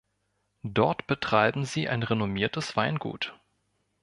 Dort betreiben sie ein renommiertes Weingut.